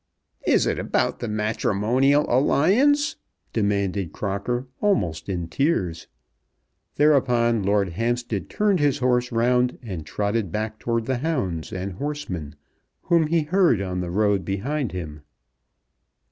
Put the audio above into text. "Is it about the matrimonial alliance?" demanded Crocker almost in tears. Thereupon Lord Hampstead turned his horse round and trotted back towards the hounds and horsemen, whom he heard on the road behind him.